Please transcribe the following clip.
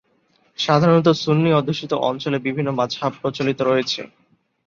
সাধারণত, সুন্নি অধ্যুষিত অঞ্চলে বিভিন্ন মাজহাব প্রচলিত রয়েছে।